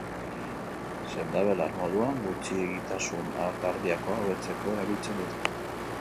Sendabelar moduan gutxiegitasun kardiakoa hobetzeko erabiltzen dute.